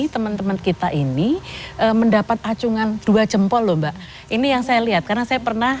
teman teman kita ini mendapat acungan dua jempol lomba ini yang saya lihat karena saya pernah